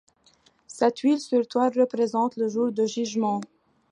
Cette huile sur toile représente le Jour du jugement.